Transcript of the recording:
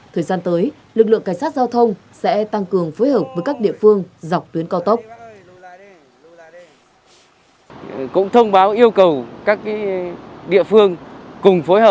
thời gian tới lực lượng cảnh sát giao thông sẽ tăng cường phối hợp với các địa phương dọc tuyến cao tốc